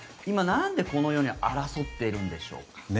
今、なんでこのように争っているんでしょうか。